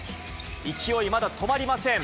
勢いまだ止まりません。